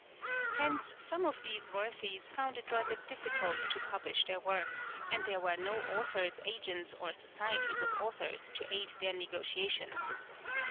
Hence some of these worthies found it rather difficult to publish their works, and there were no authors' agents or Societies of Authors to aid their negotiations.